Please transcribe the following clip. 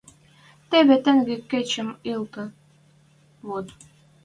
Теве тенге кычем ыльы, вот!